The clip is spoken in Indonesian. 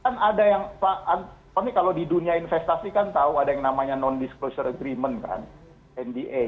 kan ada yang pak antoni kalau di dunia investasi kan tahu ada yang namanya non disclosure agreement kan nba